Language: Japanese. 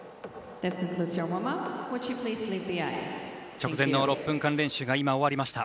直前の６分間練習が終わりました。